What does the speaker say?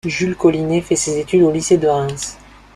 Jules Collinet fait ses études au lycée de Reims.